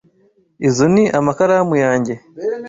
Izo ni amakaramu yanjye.